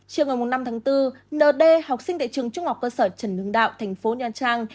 chiều ngày năm tháng bốn n d học sinh tại trường trung học cơ sở trần hương đạo thành phố nhà trang